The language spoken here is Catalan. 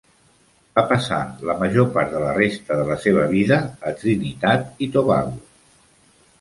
Va passar la major part de la resta de la seva vida a Trinitat i Tobago.